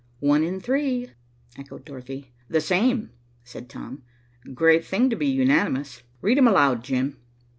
"One and three," echoed Dorothy. "The same," said Tom. "Great thing to be unanimous. Read 'em aloud, Jim."